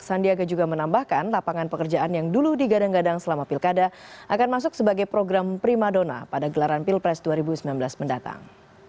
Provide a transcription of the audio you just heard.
sandiaga juga menambahkan lapangan pekerjaan yang dulu digadang gadang selama pilkada akan masuk sebagai program prima dona pada gelaran pilpres dua ribu sembilan belas mendatang